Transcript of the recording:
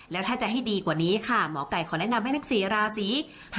และถ้าจะให้ดีกว่านี้ค่ะหมอกัยขอแนะนำให้นักศรีราศรี